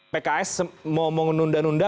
pks mau menunda nunda